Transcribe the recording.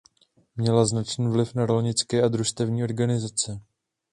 Měla značný vliv na rolnické a družstevní organizace.